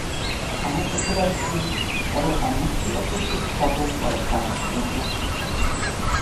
Pane předsedající, Evropa musí opustit tabu odepsání dluhu.